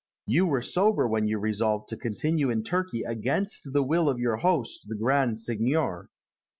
You were sober when you resolved to continue in Turkey against the will of your host, the Grand Signor.